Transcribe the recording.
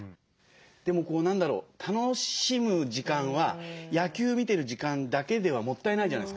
でも何だろう楽しむ時間は野球見てる時間だけではもったいないじゃないですか。